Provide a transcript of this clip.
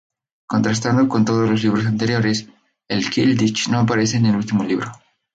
Contrastando con todos los libro anteriores, el Quidditch no aparece en el último libro.